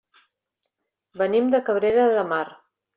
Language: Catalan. Venim de Cabrera de Mar.